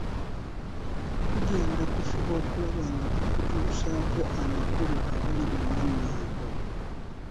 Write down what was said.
Tugenda kufuba okulaba nga tukutuusaako amakulu agali mu mannya ago.